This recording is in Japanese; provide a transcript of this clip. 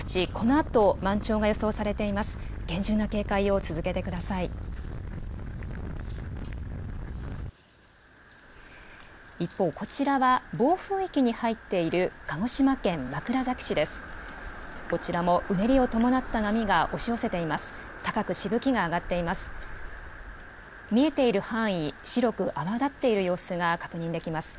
こちらもうねりを伴った波が押し寄せています。